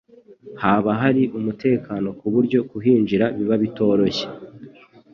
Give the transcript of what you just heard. Haba hari umutekano ku buryo kuhinjira biba bitoroshye.